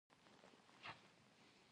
په زړه کې وېرېدم.